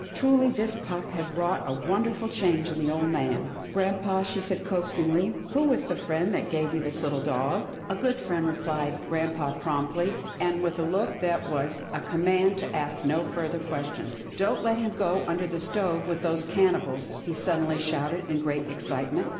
Truly, this pup had wrought a wonderful change in the old man. " Grampa," she said coaxingly, " who was the friend that gave you this little dog? " THE MONEYED PUP 111 " A good friend," replied grampa promptly, and with a look that was a command to ask no further questions. Don't let him go under the stove with those cannibals," he suddenly shouted in great excitement.